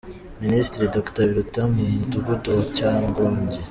Minisitiri Dr Biruta mu mudugudu wa Cyankongi.